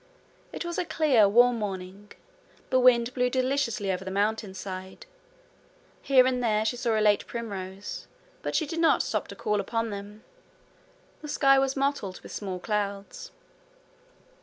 It was a clear warm morning. The wind blew deliciously over the Mountainside. Here and there she saw a late primrose but she did not stop to call upon them. The sky was mottled with small clouds.